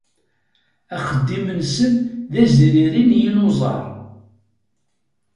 Axeddim-nsen d azriri n yinuẓar.